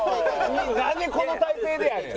なんでこの体勢でやねん！